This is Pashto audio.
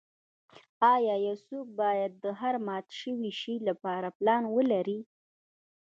ایا یو څوک باید د هر مات شوي شی لپاره پلان ولري